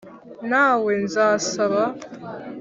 nta we nzasaba,